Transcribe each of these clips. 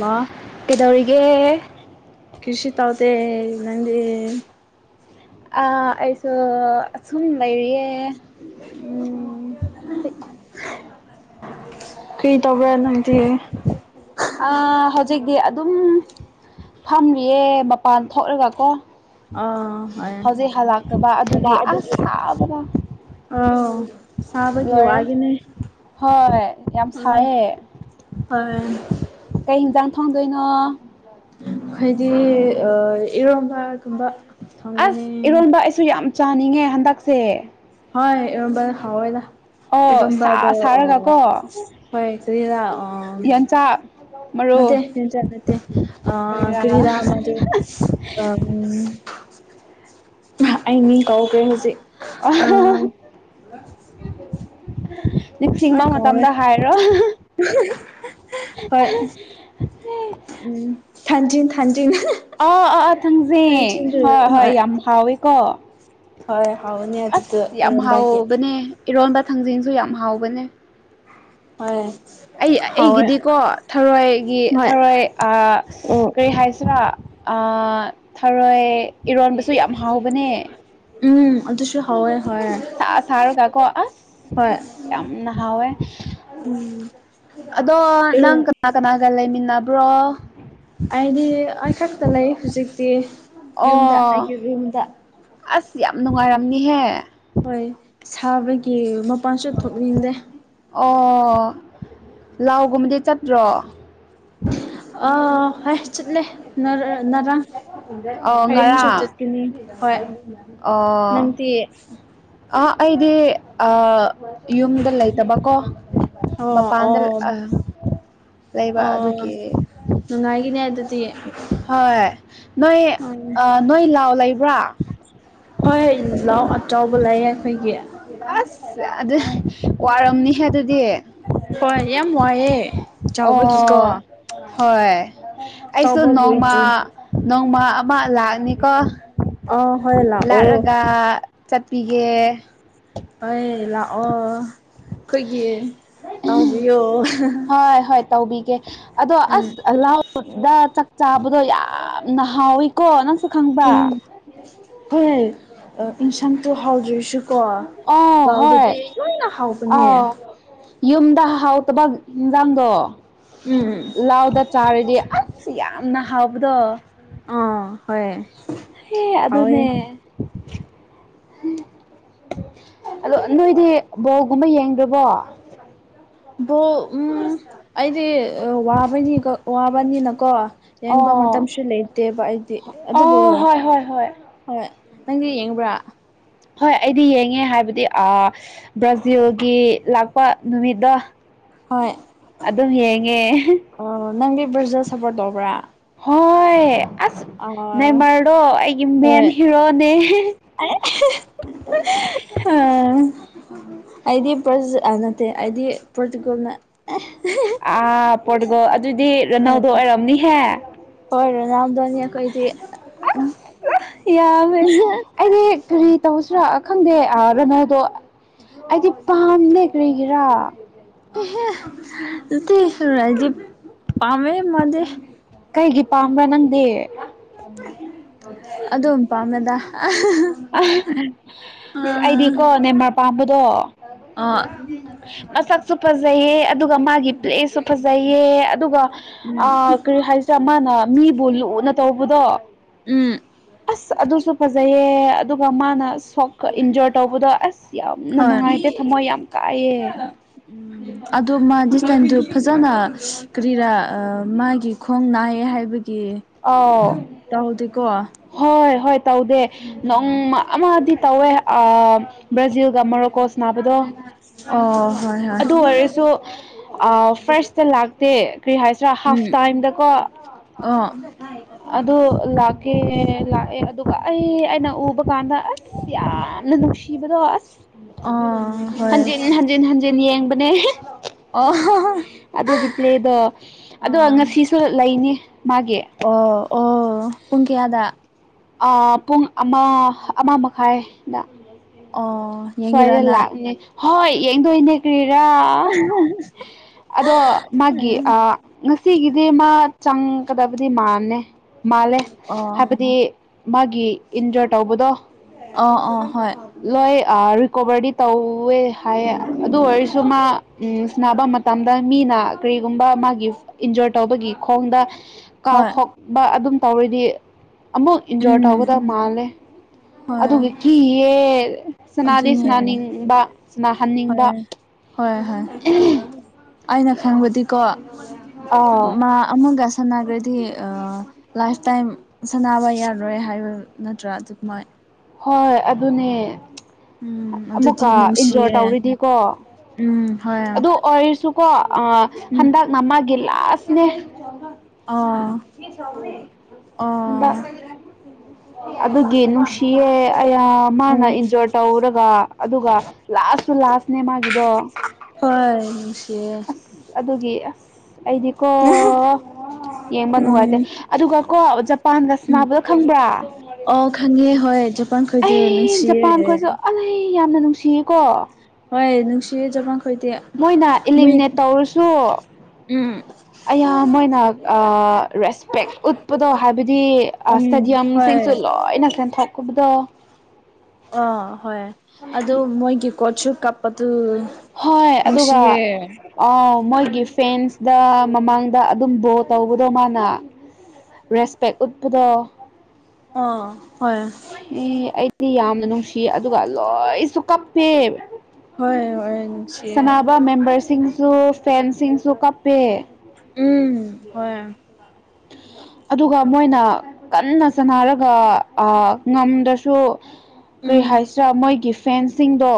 ꯋꯥ ꯀꯩꯗꯧꯔꯤꯒꯦ ꯀ꯭ꯔꯤꯁꯤꯤ ꯇꯥꯎꯇꯦ ꯅꯪ ꯍꯦꯡ ꯑ ꯑꯩꯁꯨ ꯁꯨꯝ ꯂꯩꯔꯤꯌꯦ ꯍ ꯀꯩꯇꯧꯕ꯭ꯔ ꯅꯗꯤ ꯑ ꯍꯧꯖꯤꯛꯇꯤ ꯑꯗꯨꯝ ꯐꯝꯂꯤꯌꯦ ꯃꯄꯥꯟ ꯊꯣꯛꯂꯒꯀꯣ ꯑꯥ ꯍꯣꯏ ꯍꯧꯖꯤꯛ ꯍꯜꯂꯛꯇꯕ ꯑꯗꯨꯒꯤ ꯑꯁ ꯁꯥꯕꯅ ꯂꯣꯏꯔꯦ ꯁꯕꯒꯤꯅꯦ ꯍꯣꯏ ꯌꯥꯝ ꯎꯝ ꯁꯥꯏꯌꯦ ꯍ ꯀꯩ ꯍꯟꯖꯥꯡ ꯊꯣꯡꯗꯣꯏꯅꯣ ꯍꯥꯏꯗꯤ ꯏꯔꯣꯝꯕꯒꯨꯝꯕ ꯑꯁ ꯊꯣꯡꯒꯅꯤ ꯏꯔꯣꯟꯕ ꯑꯩꯁꯨ ꯌꯥꯝ ꯆꯥꯅꯤꯡꯉꯦ ꯍꯟꯗꯛꯁꯦ ꯍꯣꯏ ꯍꯋꯣꯏꯗ ꯑꯣ ꯁꯥ ꯑꯗꯨꯒꯝꯕꯗꯣ ꯑꯥ ꯁꯥꯔꯒꯀꯣ ꯍꯣꯏ ꯀꯔꯤꯗ ꯑꯥ ꯌꯦꯟꯆꯥꯛ ꯃꯦ ꯃꯔꯨ ꯖꯔ ꯃꯦ ꯑ ꯀꯔꯤꯔꯥ ꯀ꯭ꯔꯔꯤꯔꯥ ꯃ ꯑ ꯑꯩ ꯃꯤ ꯀꯧꯒ꯭ꯔꯦ ꯍꯧꯖꯤꯛ ꯑ ꯅꯤꯡ ꯅꯤꯡꯁꯤꯡꯕ ꯃꯇꯝꯗ ꯍꯥꯏꯔꯣ ꯍꯣꯏ ꯍ ꯊꯖ ꯊ ꯑꯥ ꯑꯥ ꯑꯥ ꯊꯥꯡꯖꯩ ꯍꯣꯏ ꯍꯣꯏ ꯌꯥꯝ ꯍꯥꯎꯋꯦꯀꯣ ꯍꯣꯏ ꯍꯥꯎꯅꯤ ꯑꯗꯨꯗꯣ ꯑꯁ ꯌꯥꯝ ꯑꯔꯦꯝꯕꯒꯤ ꯍꯥꯎꯕꯅꯦ ꯏꯔꯣꯟꯕ ꯊꯥꯡꯖꯤꯡꯁꯨ ꯌꯥꯝ ꯍꯥꯎꯕꯅꯦ ꯍꫭꯏ ꯑꯩ ꯑꯩꯒꯤꯗꯤꯀꯣ ꯊꯔꯣꯏꯒꯤ ꯍꯣꯏ ꯊꯔꯣꯏ ꯑꯣ ꯀꯔꯤ ꯍꯥꯏꯁꯤꯔꯥ ꯊꯔꯣꯏ ꯏꯔꯣꯟꯕꯁꯨ ꯌꯥꯝ ꯍꯥꯎꯕꯅꯦ ꯎꯝ ꯑꯗꯨꯁꯨ ꯍꯥꯎꯋꯦ ꯍꯣꯏ ꯁꯔꯒꯥꯛ ꯑ ꯍꯣꯏ ꯌꯥꯝꯅꯍꯥꯎꯦ ꯑꯗꯣ ꯅꯪ ꯏꯔꯣꯡ ꯀꯅꯥ ꯀꯅꯥꯒ ꯂꯩꯃꯤꯟꯅꯕ꯭ꯔꯣ ꯑꯩꯗꯤ ꯑꯩꯈꯛꯇ ꯂꯩ ꯍꯧꯖꯤꯛꯇꯤ ꯌꯨꯝꯗ ꯑꯣ ꯑꯩꯒꯤ ꯔꯨꯝꯗ ꯑꯁ ꯌꯥꯝ ꯅꯨꯡꯉꯥꯏꯔꯝꯅꯤꯍꯦ ꯍꯣꯏ ꯁꯥꯕꯒꯤ ꯃꯄꯥꯟꯁꯨ ꯊꯣꯛꯅꯤꯡꯗꯦ ꯑꯣ ꯂꯧꯒꯨꯝꯕꯗꯤ ꯆꯠꯇ꯭ꯔꯣ ꯑ ꯍꫭꯏ ꯆꯠꯂꯤ ꯅꯔꯥꯡ ꯑꯣ ꯍꯌꯦꯡꯁꯨ ꯉꯔꯥꯡ ꯆꯠꯀꯅꯤ ꯍꯣꯏ ꯑꯣ ꯅꯪꯗꯤ ꯑꯩꯗꯤ ꯌꯨꯝꯗ ꯂꯩꯇꯕꯀꯣ ꯑꯣ ꯃꯄꯥꯟꯗ ꯑꯣ ꯑ ꯂꯩꯕ ꯑꯣ ꯑꯗꯨꯒꯤ ꯅꯨꯡꯉꯥꯏꯒꯅꯤ ꯑꯗꯨꯗꯤ ꯍꯣꯏ ꯅꯣꯏ ꯎꯝ ꯅꯣꯏ ꯂꯧꯂꯩꯕ꯭ꯔꯥ ꯍꫭꯏ ꯂꯧ ꯑꯆꯧꯕꯥ ꯂꯩꯌꯦ ꯑꯩꯈꯣꯏꯒꯤ ꯑꯁ ꯑꯗꯨ ꯋꯥꯔꯝꯅꯤꯍꯦ ꯑꯗꯨꯗꯤ ꯍꯣꯏ ꯌꯥꯝ ꯋꯥꯏꯑꯦ ꯆꯥꯎꯕꯒꯤꯀꯣ ꯑꯣ ꯍꯣꯏ ꯑꯩꯁꯨ ꯇꯧꯕ ꯅꯣꯡꯃ ꯂꯣꯏꯗ꯭ꯔꯤ ꯅꯣꯡꯃ ꯑꯃ ꯂꯥꯛꯅꯤꯀꯣ ꯑ ꯍꯣꯏ ꯂꯥꯛꯑꯣ ꯂꯥꯠꯂꯒ ꯆꯠꯄꯤꯒꯦ ꯍꯣꯏ ꯂꯥꯛꯑꯣ ꯑꯩꯈꯣꯏꯒꯤ ꯇꯥꯎꯕꯤꯌꯣ ꯍꯣꯏ ꯍꯣꯏ ꯇꯧꯕꯤꯒꯦ ꯑꯗꯣ ꯑꯁ ꯑꯥꯎ ꯈꯨꯗ ꯆꯥꯛ ꯆꯥꯕꯗꯣ ꯌꯥꯝꯅ ꯍꯥꯎꯋꯤꯀꯣ ꯅꯪ ꯎꯝ ꯍꯣꯏ ꯏꯟꯁꯥꯟ ꯊ ꯍꯥꯎꯖꯣꯏꯁꯨ ꯀꯣ ꯑꯣ ꯍꯣꯏ ꯂꯥꯎꯗꯗꯤ ꯂꯣꯏꯅ ꯍꯥꯎꯕꯅꯦ ꯑꯥꯎ ꯌꯨꯝꯗ ꯍꯥꯎꯇꯕ ꯌꯦꯟꯖꯥꯡꯗꯣ ꯎꯝ ꯂꯥꯎꯗ ꯆꯥꯔꯤꯗꯤ ꯌꯥꯝꯅ ꯍꯥꯎꯕꯗꯣ ꯑꯥ ꯍꯣꯏ ꯍ ꯍꯥꯎꯋꯦ ꯑꯗꯨꯗꯅꯦ ꯑꯗꯣ ꯅꯣꯏꯗꯤ ꯕꯣꯒꯨꯝꯕ ꯌꯦꯡꯗ꯭ꯔꯕꯣ ꯕꯣ ꯎ ꯑꯩꯗꯤꯕꯅꯤ ꯋꯥꯕꯅꯤꯅꯀꯣ ꯌꯦꯡꯕ ꯃꯇꯝ ꯑꯣ ꯀꯁꯨ ꯂꯩꯇꯦꯕ ꯑꯩꯗꯤ ꯑꯗꯨꯕꯨ ꯑꯣ ꯍꯣꯏ ꯍꯣꯏ ꯍꯣꯏ ꯍꯣꯏ ꯅꯪꯒꯤ ꯌꯦꯡꯕ꯭ꯔꯥ ꯍꯣꯏ ꯑꯩꯗꯤ ꯌꯦꯡꯉꯦ ꯍꯥꯏꯕꯗꯤ ꯕ꯭ꯔꯥꯖꯤꯜꯒꯤ ꯂꯥꯛꯄ ꯅꯨꯃꯤꯠꯇ ꯍꯣꯏ ꯑꯗꯨꯝ ꯌꯦꯡꯉꯦ ꯅꯪꯒꯤ ꯕ꯭ꯔꯖꯔ ꯁꯄꯣꯔ ꯇꯧꯕ꯭ꯔꯥ ꯍꯣꯏ ꯑꯁ ꯑ ꯅꯥꯏꯃꯔꯗꯣ ꯑꯩꯒꯤ ꯃꯦꯟ ꯍꯔꯣꯅꯦ ꯎꯝ ꯑꯩꯗꯤ ꯄ꯭ꯔꯖ ꯅꯠꯇꯦ ꯑꯩꯗꯤ ꯄ꯭ꯔꯣꯇꯤꯀꯣꯜꯅ ꯑꯥ ꯄꯣꯔꯒꯣ ꯑꯗꯨꯗꯤ ꯔꯅꯧꯗꯣ ꯑꯣꯏꯔꯝꯅꯤꯍꯦ ꯍꯣꯏꯣ ꯅꯗ ꯌꯥꯝꯕ ꯑꯩꯗꯤꯔꯤ ꯇꯧꯁꯤꯔꯥ ꯈꯪꯗꯦ ꯔꯅꯗꯣ ꯑꯩꯗꯤ ꯄꯥꯝ ꯂꯩ ꯀꯔꯤꯒꯤꯦꯔꯥ ꯍ ꯑꯗꯨ ꯔ ꯄꯝꯃꯦ ꯃꯥꯗ ꯀꯒꯤ ꯄꯥꯝꯕ꯭ꯔꯥ ꯅꯪꯗꯦ ꯑꯗꯨꯝ ꯄꯥꯝꯃꯦꯗ ꯑ ꯑ ꯑꯁ ꯑꯩꯗꯤꯀꯣ ꯅꯦꯝꯃꯔ ꯄꯥꯝꯕꯗꯣ ꯑ ꯃꯁꯛꯁꯨ ꯐꯖꯩꯑꯦ ꯑꯗꯨꯒ ꯃꯥꯒꯤ ꯄ꯭ꯂꯦꯁꯁꯨ ꯐꯖꯩꯑ ꯑꯗꯨꯒ ꯀꯔꯤ ꯍꯥꯏꯁꯦ ꯃꯥꯅ ꯃꯤꯕꯨ ꯂꯨꯅ ꯇꯧꯕꯗꯣ ꯎꯝ ꯑꯁ ꯑꯗꯨꯁꯨ ꯐꯖꯩꯌꯦ ꯑꯗꯨꯒ ꯃꯥꯅ ꯁꯣꯛ ꯏꯟꯖꯣꯔ ꯇꯧꯕꯗꯣ ꯑꯁ ꯌꯥꯝꯅ ꯍꯣꯏ ꯅꯨꯡꯉꯥꯏꯇꯦ ꯊꯝꯃꯣꯏ ꯌꯥꯝ ꯀꯥꯏꯑ ꯑ ꯃꯥ ꯗꯤꯁ ꯇꯥꯏꯝꯗꯨ ꯐꯖꯅ ꯀꯔꯤꯔꯥ ꯃꯥꯒꯤ ꯈꯣꯡ ꯅꯥ ꯑ ꯇꯧꯗꯦꯀꯣ ꯍꯣꯏ ꯍꯣꯏ ꯇꯧꯗꯦ ꯅꯣꯡꯃ ꯑꯃꯗꯤ ꯇꯧꯋꯦ ꯕ꯭ꯔꯥꯖꯤꯜꯒ ꯃꯣꯔꯣꯀꯣꯁ ꯅꯥꯕꯗꯣ ꯑꯣ ꯍꯣꯏ ꯑꯗꯨ ꯍꯣꯏ ꯑꯣꯏꯔꯁꯨ ꯐꯥꯔꯁꯇ ꯂꯥꯛ ꯗꯦ ꯀꯔꯤ ꯍꯥꯏꯁꯤꯔꯥ ꯍꯥꯐ ꯎꯝ ꯇꯥꯏꯝꯗꯀꯣ ꯑꯣ ꯑꯗ ꯂꯥꯛꯀꯦ ꯂꯥꯛꯑꯦ ꯑꯗꯨꯒ ꯑꯩ ꯑꯩꯅ ꯎꯕ ꯀꯥꯟꯗ ꯑꯁ ꯌꯥꯝꯅ ꯅꯨꯡꯁꯤꯕꯗꯣ ꯑꯁ ꯑꯣ ꯍꯣꯏ ꯍꯪꯖꯤ ꯍꯪꯖꯤ ꯍꯪꯖꯤ ꯌꯦꯡꯕꯅꯦ ꯑꯣ ꯑꯗꯨꯒꯤ ꯄ꯭ꯂꯦꯗꯣ ꯑꯗꯣ ꯉꯁꯤꯁꯨ ꯂꯩꯅꯤ ꯃꯥꯒꯤ ꯑꯣ ꯑꯣ ꯄꯨꯡ ꯀꯌꯥꯗ ꯄꯨꯡ ꯑꯃ ꯑꯃ ꯃꯈꯥꯏꯗ ꯑꯣ ꯌꯦꯡꯒꯦꯔ ꯁ꯭ꯋꯥꯏꯗ ꯅꯪ ꯂꯥꯛꯅꯦ ꯍꯣꯏ ꯌꯦꯡꯗꯣꯏꯅꯦ ꯀ꯭ꯔꯤꯔꯥ ꯑꯗꯣ ꯃꯥꯒꯤ ꯑ ꯉꯁꯤꯒꯤ ꯍꯥꯏꯗꯤ ꯃꯥ ꯆꯪꯒꯗꯕꯗꯤ ꯃꯥꯂ ꯃꯥꯜꯂꯦ ꯑꯣ ꯍꯥꯏꯕꯗꯤ ꯃꯥꯒꯤ ꯏꯟꯖꯣꯏ ꯇꯧꯕꯗꯣ ꯑꯣ ꯑꯣ ꯍꯣꯏ ꯂꯣꯏ ꯑꯥ ꯔꯤꯀꯣꯕꯔꯗꯤ ꯇꯧ ꯇꯑꯦ ꯍꯥꯏꯌꯦ ꯑꯗꯨ ꯑꯣꯏꯔꯁꯨ ꯃꯥ ꯎꯝꯅꯕ ꯃꯇꯝꯗ ꯃꯤꯅ ꯀꯔꯤꯒꯨꯝꯕ ꯃꯥꯒꯤ ꯏꯟꯖꯣꯔ ꯇꯧꯕꯒꯤ ꯈꯣꯡꯗ ꯍꯣꯏ ꯀꯥꯎꯊꯣꯛꯄ ꯑꯗꯨꯝ ꯇꯧꯔꯗꯤ ꯑꯃꯨꯛ ꯏꯟꯖꯣꯔ ꯎꯝ ꯇꯧꯒꯗꯕ ꯃꯥꯜꯂꯦ ꯍꯣꯏ ꯑꯗꯨꯒꯤ ꯀꯤꯌꯦ ꯁꯅꯥꯗꯦ ꯑꯗꯨꯅꯦ ꯁꯨꯅꯥꯅꯤꯡꯕ ꯁꯅꯍꯟꯅꯤꯡꯕ ꯍꯣꯏ ꯍꯣꯏ ꯍꯣꯏ ꯑꯩꯅ ꯈꯪꯕꯗꯤꯀꯣ ꯑꯥ ꯃꯥ ꯑꯃꯒ [unintelligible] [inaudible] ꯁꯥꯟꯅꯈ꯭ꯔꯗꯤ ꯂꯥꯏꯐ ꯇꯥꯏꯝ ꯁꯥꯟꯅꯕ ꯌꯥꯔꯣꯏ ꯍꯥꯏꯕ ꯅꯠꯇ꯭ꯔꯥ ꯑꯗꯨꯃꯥꯏ ꯍꯣꯏꯣꯏ ꯑꯗꯨꯅꯦ ꯎꯝ ꯑꯗꯨꯗꯤ ꯑꯃꯨꯛꯀ ꯏꯟꯖꯣꯔ ꯅꯨꯡꯁꯤꯌꯦ ꯇꯧꯔꯤꯗꯤꯀꯣ ꯎꯝ ꯍꯣꯏ ꯑꯗꯨ ꯑꯣꯏꯔꯁꯨꯀꯣ ꯎꯝ ꯍꯟꯗꯛ ꯅ ꯃꯥꯒꯤ ꯂꯥꯁꯅꯦ ꯑꯥ ꯍ ꯑꯥ [unintelligible] [inaudible] ꯑꯗꯨꯒꯤꯅꯅꯨꯡꯁꯤ ꯑꯌꯥ ꯃꯥꯅ ꯏꯟꯖꯣꯔ ꯇꯧꯔꯒ ꯑꯗꯨꯒ ꯂꯥꯁꯁꯨ ꯂꯥꯁꯅꯦ ꯃꯥꯒꯤꯗꯣ ꯍꯣꯏ ꯑꯁ ꯑꯗꯨꯒꯤ ꯑꯁ ꯑꯩꯗꯤꯀꯣ ꯌꯦꯡꯕ ꯅꯨꯡꯉꯥꯏꯇꯦ ꯎꯝ ꯑꯗꯨꯒ ꯀꯣ ꯖꯄꯥꯟꯒ ꯁꯥꯟꯅꯕꯗ ꯈꯪꯕ꯭ꯔꯥ ꯑꯣ ꯈꯪꯉꯦ ꯍꯣꯏ ꯖꯄꯥꯟ ꯈꯣꯏꯗꯨ ꯑꯩ ꯅꯨꯡꯁꯤꯌꯦ ꯖꯄꯥꯟ ꯈꯣꯏꯁꯨ ꯑꯩ ꯌꯥꯝꯅ ꯅꯨꯡꯁꯤꯌꯦꯀꯣ ꯍꯣꯏ ꯅꯨꯡꯁꯤꯌꯦ ꯖꯥꯄꯥꯡ ꯃꯣꯏꯅ ꯏꯂꯤꯃꯤꯅꯦꯠ ꯇꯧꯔꯁꯨ ꯎꯝ ꯑꯌꯥ ꯃꯣꯏꯅ ꯔꯦꯁꯄꯦꯛ ꯎꯠꯄꯗꯣ ꯍꯥꯏꯕꯗꯤ ꯎꯝ ꯁꯇꯦꯗꯤꯌꯝꯁꯤ ꯁꯦ ꯍꯣꯏ ꯂꯣꯢꯅ [unintelligible] ꯑ ꯍꯣꯏ ꯑꯗꯨ ꯃꯣꯏꯒꯤ ꯀꯣꯖꯁꯨ ꯍꯣꯏ ꯑꯗꯨꯒ ꯅꯨꯡꯁꯤꯌꯦ ꯃꯣꯏꯒꯤ ꯐꯦꯟꯁꯗ ꯃꯃꯥꯡꯗ ꯑꯗꯨꯝ ꯕꯣ ꯇꯧꯕꯗꯣ ꯃꯥꯅ ꯔꯦꯁꯄꯦꯛ ꯎꯠꯄꯗꯣ ꯑꯥ ꯍꯣꯏ ꯑꯩꯗꯤ ꯌꯥꯝ ꯅ ꯅꯨꯡꯁꯤ ꯑꯗꯨꯒ ꯂꯣꯏꯁꯨ ꯀꯞꯄꯦ ꯍꯣꯏ ꯍꯣꯏ ꯅꯨꯡꯁꯤꯌꯦ ꯁꯅꯥꯕ ꯃꯦꯝꯕꯔꯁꯤꯡꯁꯨ ꯐꯦꯟꯁꯤꯡꯁꯨ ꯀꯞꯄꯦ ꯎꯝ ꯍꯣꯏ ꯑꯗꯨꯒ ꯃꯣꯏꯅ ꯀꯟꯅ ꯁꯥꯟꯅꯔꯒ ꯑ ꯉꯝꯗ꯭ꯔꯁꯨ ꯀꯔꯤ ꯎꯝ ꯍꯥꯏꯁꯤꯔꯥ ꯃꯣꯏꯒꯤ ꯐꯦꯟꯁꯤꯡꯗꯣ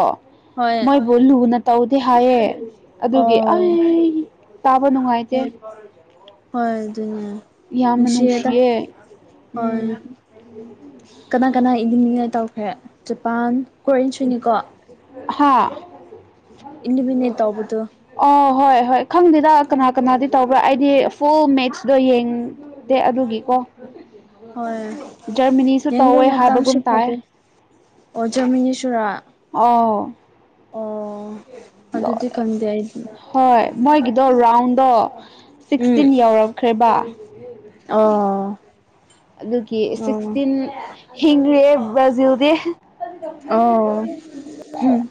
ꯍꯣꯏ ꯃꯣꯏꯕꯨ ꯂꯨꯅ ꯇꯧꯗꯦ ꯍꯥꯏꯌꯦ ꯑꯗꯨꯒꯤ ꯑꯣ ꯑꯩ ꯇꯥꯕ ꯅꯨꯡꯉꯥꯏꯇꯦ ꯍꯣꯏ ꯍꯣꯏ ꯑꯗꯨꯅꯦ ꯌꯥꯝꯅ ꯅꯨꯡꯁꯤꯌꯦꯗ ꯅꯨꯡꯁꯤꯌꯦ ꯍꯣꯏ ꯎꯝ ꯀꯅꯥ ꯀꯅꯥ ꯏꯂꯤꯃꯤꯅꯦꯠ ꯇꯧ ꯈ꯭ꯔꯦ ꯖꯄꯥꯟ ꯀꯣꯔꯟꯁꯨ ꯅꯤꯀꯣ ꯍꯥ ꯏꯂꯤꯃꯤꯅꯦꯠ ꯇꯧꯕꯗꯣ ꯑꯣ ꯍꯣꯏ ꯍꯣꯏ ꯈꯪꯗꯦꯗ ꯀꯅꯥ ꯀꯅꯥꯗꯤ ꯇꯧꯕ꯭ꯔꯥ ꯑꯩꯗꯤ ꯐꯨꯜ ꯃꯦꯠꯁꯗꯣ ꯌꯦꯡꯗꯦ ꯑꯗꯨꯒꯤꯀꯣ ꯍꯣꯏ [unintelligible] ꯖꯔꯃꯅꯤꯁꯨ ꯌꯦꯡꯕ ꯇꯧꯋꯦ ꯍꯥꯏꯕꯒꯨꯝ ꯃꯇꯝꯁꯨ ꯇꯥꯏꯌꯦ ꯐꯗꯦ ꯑꯣ ꯖꯔꯃꯅꯤꯁꯨꯔꯥ ꯑꯥꯎ ꯑꯣ.. ꯑꯗꯨꯗꯤ ꯈꯪꯗꯦ ꯑꯩꯗꯤ ꯍꯣꯏ ꯃꯣꯏꯒꯤꯗꯣ ꯔꯥꯎꯟꯗꯣ ꯎꯝ ꯁꯤꯛꯁꯇꯤꯟ ꯌꯧꯔꯛꯈ꯭ꯔꯦꯕ ꯑꯣ ꯑꯗꯨꯒꯤ ꯑꯣ ꯁꯤꯛꯁꯇꯤꯟ ꯍꯤꯡꯒ꯭ꯔꯦ ꯕ꯭ꯔꯥꯖꯤꯜꯗꯤ ꯑꯣ ꯎꯝ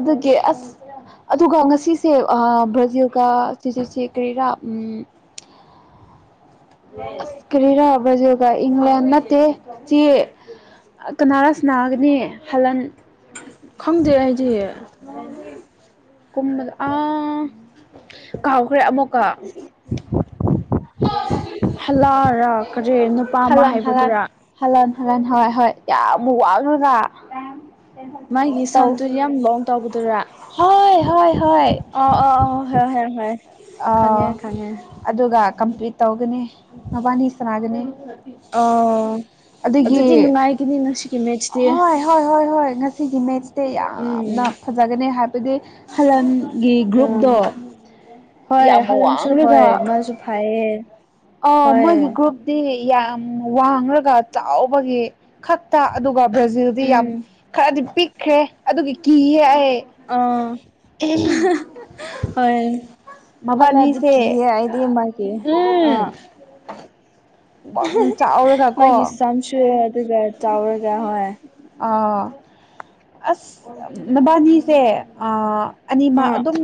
ꯑꯗꯨꯒꯤ ꯑꯁ ꯑꯗꯨꯒ ꯉꯁꯤꯁꯦ ꯕ꯭ꯔꯥꯖꯤꯜꯒ ꯁꯤ ꯁꯤ ꯁꯤ ꯀꯔꯤꯔꯥ ꯎꯝ ꯑꯁ ꯀꯔꯤꯔ ꯕ꯭ꯔꯥꯖꯤꯛꯒ ꯏꯪꯪꯂꯦꯟ ꯅꯠꯇꯦ ꯆꯦ ꯀꯅꯥꯔ ꯁꯥꯟꯅꯒꯅꯤ ꯍꯥꯜꯂꯟ ꯈꯪꯗꯩ ꯑꯩꯗꯤ ꯀꯨꯝꯃ ꯑꯥ ꯀꯥꯎꯈ꯭ꯔꯦ ꯑꯃꯨꯛꯀ ꯍꯜꯂꯥꯔꯥ ꯀꯔꯤ ꯅꯨꯄꯥ ꯑꯃ ꯍꯂꯥꯟꯗ ꯍꯂꯥꯟꯗ ꯍꯥꯏꯕꯗꯨꯔꯥ ꯍꯂꯥꯟꯗ ꯍꯂꯥꯟꯗ ꯍꯣꯏ ꯍꯣꯏ ꯌꯥꯝ ꯋꯥꯡꯔꯒ ꯃꯥꯒꯤ ꯇꯧ ꯁꯝꯗꯨ ꯌꯥꯝ ꯂꯣꯡ ꯇꯧꯕꯗꯨꯔꯥ ꯍꯣꯢ ꯍꯣꯢ ꯍꯣꯢ ꯍꯣꯢ ꯍꯣꯏ ꯍꯣꯏ ꯈꯪꯉꯦ ꯈꯪꯉꯦ ꯀꯝꯄꯤꯠ ꯇꯧꯒꯅꯤ ꯃꯕꯥꯅꯤ ꯁꯥꯟꯅꯥꯒꯅꯤ ꯑꯣ ꯑꯗꯨꯗꯤ ꯅꯨꯡꯉꯥꯏꯒꯅꯤ ꯉꯁꯤꯒꯤ ꯃꯦꯠꯁꯇꯤ ꯍꯣꯏ ꯍꯣꯏ ꯍꯣꯏ ꯍꯣꯏ ꯉꯁꯤꯒꯤ ꯃꯦꯠꯁꯇꯤ ꯌꯥꯝꯅ ꯎꯝ ꯐꯖꯒꯅꯤ ꯍꯥꯏꯕꯗꯤ ꯍꯂꯟꯗ ꯒꯤ ꯒ꯭ꯔꯨꯞꯗꯣ ꯎꯝ ꯍꯣꯏ ꯌꯥꯝꯅ ꯍꯂꯟꯁꯨ ꯋꯥꯡꯂꯒ ꯍꯣꯏ ꯃꯥꯁꯨ ꯐꯩꯌꯦ ꯑ ꯃꯣꯏꯒꯤ ꯍꯣꯏ ꯒ꯭ꯔꯨꯞꯇꯤ ꯌꯥꯝ ꯋꯥꯡꯡꯂꯒ ꯆꯥꯎꯕꯒꯤ ꯈꯛ ꯇ ꯑꯗꯨꯒ ꯕ꯭ꯔꯥꯖꯤꯜꯗꯤ ꯌꯥꯝ ꯎꯝ ꯈꯔꯗꯤ ꯄꯤꯛꯈ꯭ꯔꯦ ꯑꯗꯨꯒꯤ ꯀꯤꯍꯦ ꯑꯩ ꯑ ꯍꯣꯏ ꯍꯜꯂ ꯑꯗꯨꯀꯤ ꯃꯕꯥꯅꯤꯁꯦ ꯑꯗꯨꯦ ꯃꯥꯒꯤꯦ ꯑ ꯎꯝ ꯋꯥꯡ ꯆꯥꯎꯔꯒꯀꯣ ꯃꯥꯏꯒꯤꯁꯂꯝꯁꯨ ꯑꯗꯨ ꯇꯋꯔ ꯀꯌꯥ ꯍ ꯑꯁ ꯅꯕꯥꯅꯤꯁꯦ ꯑꯅꯤꯃꯛ ꯑꯥ ꯑꯗꯨꯝ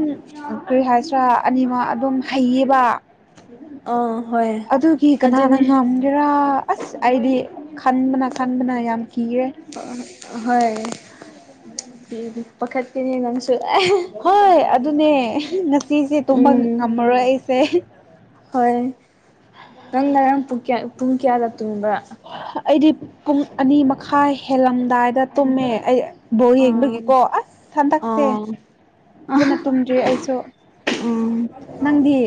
ꯀꯔꯤ ꯍꯥꯏꯁꯤ꯭ꯔꯥ ꯑꯅꯤꯃꯛ ꯑꯗꯨꯝ ꯍꯩꯌꯦꯕ ꯑꯥ ꯍꯣꯏ ꯑꯗꯨꯒꯤ ꯀꯅꯥꯅ ꯑꯗꯨꯅꯤ ꯉꯝꯒꯦꯔꯥ ꯑꯁ ꯑꯩꯗꯤ ꯈꯟꯕꯅ ꯈꯟꯕꯅ ꯌꯥꯝ ꯍꯣꯏ ꯦ ꯄꯥꯈꯠꯀꯅꯤ ꯉꯪ ꯍꯣꯏ ꯑꯗꯨꯅꯦ ꯉꯁꯤꯁꯦ ꯇꯨꯝꯕ ꯎꯝ ꯉꯝꯃꯔꯣꯏ ꯑꯩꯁꯦ ꯍꯣꯏ ꯅꯪ ꯉꯔꯥꯡ ꯄꯨꯡ ꯀꯌꯥꯗ ꯇꯨꯡꯕ꯭ꯔ ꯑꯩꯗꯤ ꯄꯨꯡ ꯑꯅꯤ ꯃꯈꯥꯏ ꯍꯦꯜꯂꯝꯗꯥꯏꯗ ꯇꯨꯝꯃꯦ ꯑꯩ ꯕꯧ ꯑꯣ ꯌꯦꯡꯕꯒꯤꯀꯣ ꯑꯁ ꯍꯟꯗꯛꯁꯦ ꯐꯖꯅ ꯇꯨꯝꯗ꯭ꯔꯤ ꯑꯩꯁꯨ ꯎꯝ ꯃꯗꯤ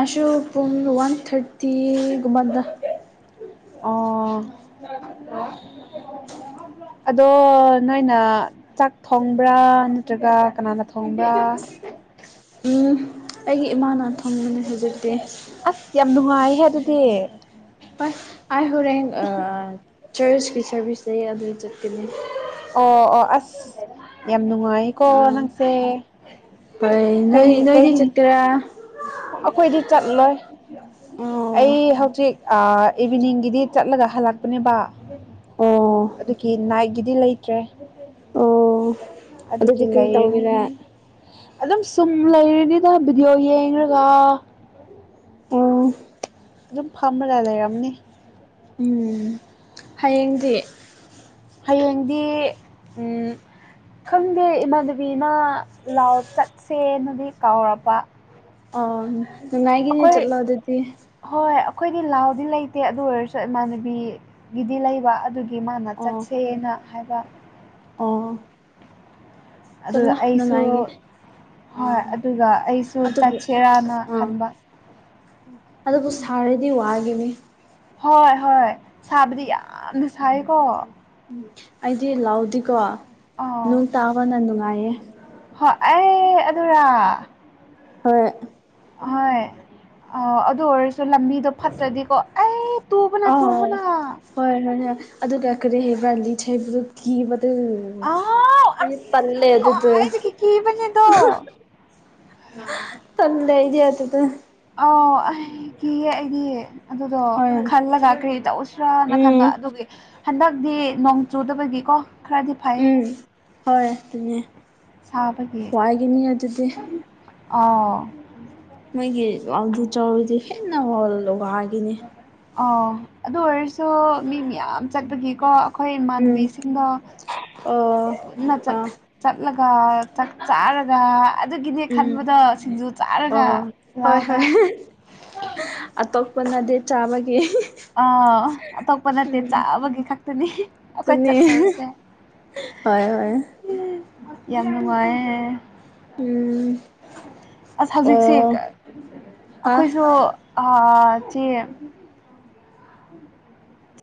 ꯑꯁꯨ ꯄꯨꯡ ꯋꯥꯟ ꯊꯥꯔꯇꯤꯒꯨꯝꯕꯗ ꯑꯣ ꯑꯗꯣ ꯅꯣꯏꯅ ꯆꯥꯛ ꯊꯣꯡꯕ꯭ꯔꯥ ꯅꯠꯇ꯭ꯔꯒ ꯀꯅꯥꯅ ꯊꯣꯡꯕ꯭ꯔꯥ ꯑꯩꯒꯤ ꯏꯃꯥꯅ ꯊꯝꯃꯤꯅꯤ ꯍꯧꯖꯤꯛꯇꯤ ꯍꯦ ꯑꯗꯨꯗꯤ ꯍꯣꯢ ꯑꯩꯥ ꯍꯣꯔꯦꯟ ꯆ꯭ꯔꯁꯀꯤ ꯁꯔꯚꯤꯁ ꯂꯩꯌꯦ ꯑꯗꯨ ꯆꯠ ꯑꯣ ꯑꯣ ꯑꯁ ꯌꯥꯝ ꯅꯨꯡꯉꯥꯏꯀꯣ ꯑꯥ ꯅꯪꯁꯦ ꯍꯣꯏ ꯅꯣꯏ ꯅꯣꯏꯗꯤ ꯀꯩ ꯆꯠꯀꯦꯔꯥ ꯑꯩꯈꯣꯏꯗꯤ ꯆꯠꯂꯣꯏ ꯑꯣ ꯑꯩ ꯆꯦꯛ ꯏꯚꯤꯅꯤꯡꯒꯤꯗꯤ ꯆꯠꯂꯒ ꯍꯜꯂꯛꯄꯅꯦꯕ ꯑꯣ ꯑꯗꯨꯒꯤ ꯅꯥꯏꯠꯒꯤꯗꯤ ꯂꯩꯇ꯭ꯔꯦ ꯑꯣ ꯑꯗꯨꯒꯤ ꯑꯗꯨꯗꯤ ꯀꯔꯤ ꯂꯩꯔꯅꯤ ꯇꯧꯒꯦꯔꯥ ꯑꯗꯨꯝ ꯁꯨꯝ ꯂꯩꯔꯤꯅꯤꯗꯕꯤꯗꯤꯑꯣ ꯌꯦꯡ꯭ꯔꯒ ꯑ ꯑꯗꯨꯝ ꯐꯝꯃꯒ ꯂꯩꯔꯝꯅꯤ ꯎꯝ ꯍꯌꯦꯡꯗꯤ ꯍꯌꯦꯡꯗꯤ ꯎꯝ ꯈꯪꯗꯦ ꯏꯃꯥꯟꯗꯕꯤꯅ ꯂꯥꯎ ꯆꯠꯁꯦꯅꯗꯤ ꯀꯥꯎꯔꯕ ꯑ ꯅꯨꯡꯉꯥꯏꯒꯤꯅꯦ ꯆꯠꯂꯣ ꯑꯗꯨꯗꯤ ꯍꯣꯏ ꯑꯩꯈꯣꯏꯗꯤ ꯂꯥꯎꯗꯤ ꯂꯩꯇꯦ ꯑꯗꯨ ꯑꯣꯏꯔꯁꯨ ꯏꯃꯥꯟꯅꯕꯤꯒꯤꯗꯤ ꯂꯩꯕ ꯑꯗꯨ ꯒꯤ ꯃꯥꯅ ꯆꯠꯁꯦꯅ ꯍꯥꯏꯕ ꯑꯥ ꯑꯗꯨ ꯑꯩꯁꯨ ꯑꯥ ꯍꯣꯏ ꯑꯗꯨꯒ ꯑꯩꯁꯨ ꯆꯠꯁꯦꯔꯥꯅ ꯈꯟꯕ ꯑꯗꯨꯗꯕꯨ ꯁꯥꯔꯗꯤ ꯋꯥꯒꯤꯦꯅꯤ ꯍꯣꯏ ꯍꯣꯏ ꯁꯥꯕꯗꯤ ꯌꯥꯝꯅ ꯁꯥꯏꯀꯣ ꯎꯝ ꯑꯩꯗꯤ ꯂꯥꯛꯑꯣꯗꯦꯀꯣ ꯑꯥꯎ ꯅꯨꯡ ꯇꯥꯕꯅ ꯅꯨꯡꯉꯥꯏꯌꯦ ꯑꯗꯨꯔ ꯍꯣꯏ ꯍꯣꯏ ꯑꯗꯨ ꯑꯣꯏꯔ ꯂꯝꯕꯤꯗꯣ ꯐꯠꯇ꯭ꯔꯗꯤꯀꯣ ꯑꯦ ꯇꯨꯕꯅ ꯑꯥꯎ ꯇꯨꯕꯅ ꯦꯕꯂꯤ ꯑꯥꯎ ꯑꯁ ꯄꯂꯦꯗ ꯈ꯭ꯋꯥꯏꯗꯒꯤ ꯀꯤꯕꯅꯦꯗꯣ ꯆꯗ ꯏ ꯍꯥꯏꯗꯗ ꯑꯣ ꯀꯍꯦ ꯑꯩꯗꯤ ꯑꯗꯨꯗꯣ ꯍꯣꯏ ꯈꯜꯂꯒ ꯀꯔꯤ ꯇꯧꯁꯔꯅ ꯈꯟꯕꯣ ꯎꯝ ꯑꯗꯨꯒꯤ ꯍꯟꯗꯛ ꯗꯤ ꯅꯣꯡ ꯆꯨꯗꯕꯒꯤꯀꯣ ꯈꯔꯗꯤ ꯐꯩꯌꯦ ꯎꯝ ꯍꯣꯏ ꯑꯗꯨꯅꯦ ꯁꯥꯕꯒꯤ ꯋꯥꯏꯒꯤꯅꯤ ꯑꯗꯨꯗꯤ ꯑꯥꯎ ꯃꯣꯏꯒꯤꯗꯨ ꯆꯥꯎꯧꯔꯤꯗꯤ ꯍꯦꯟꯅꯒꯥꯈꯤꯅꯤ ꯑꯣ ꯑꯗꯨ ꯑꯣꯏꯔꯁꯨ ꯃꯤ ꯃꯌꯥꯝ ꯆꯠꯄꯒꯤꯀꯣ ꯑꯩꯈꯣꯏ ꯎꯝ ꯏꯃꯥꯟꯅꯕꯤꯁꯤꯡꯗ ꯑꯣ ꯄꯨꯟꯅ ꯑꯥ ꯆꯠꯂꯒ ꯆꯛ ꯆꯥꯔꯒ ꯑꯗꯨꯒꯤꯅꯦ ꯎꯝ ꯈꯟꯕꯗꯣ ꯁꯤꯡꯖꯨ ꯆꯥꯔꯒ ꯑꯣ ꯍꯣꯏ ꯂꯥꯎꯗ ꯍꯣꯏ ꯑꯇꯣꯞꯄꯅꯗꯤ ꯆꯥꯕꯒꯤ ꯑ ꯑꯇꯣꯞꯄ ꯅꯠꯇꯦ ꯆꯥꯕꯒꯤ ꯈꯛꯇꯅꯤ ꯑꯩꯈꯣꯏ ꯆꯠꯅꯕꯤꯁꯦ ꯍꫭꯏ ꯍꫭꯏ ꯌꯥꯝ ꯅꯨꯡꯉꯥꯏ ꯎꯝ ꯑꯁ ꯍꯧꯖꯤꯛꯁꯦ ꯑꯣ ꯍꯥ ꯑꯩꯈꯣꯏꯁꯨ ꯑꯥ ꯁꯤ